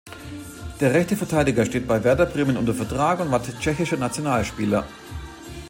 Der rechte Verteidiger steht bei Werder Bremen unter Vertrag und war tschechischer Nationalspieler.